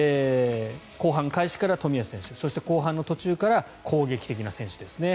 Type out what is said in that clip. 後半開始から冨安選手そして後半の途中から攻撃的な選手ですね